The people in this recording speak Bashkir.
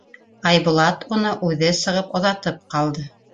Айбулат уны үҙе сығып оҙатып ҡалды.